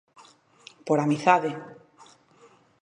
Por amizade.